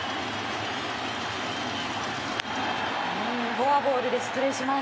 フォアボールで出塁します。